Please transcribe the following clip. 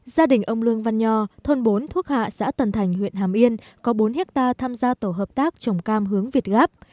gia đình ông lương văn nho thôn bốn thuốc hạ xã tần thành huyện hàm yên có bốn hectare tham gia tổ hợp tác trồng cam hướng việt gáp